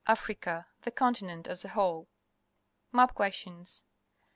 AFRICA THE CONTmENT AS A WHOLE Map Questions.